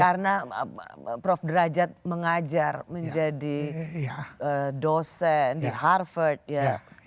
karena prof derajat mengajar menjadi dosen di harvard ya